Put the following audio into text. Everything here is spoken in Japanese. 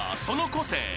その個性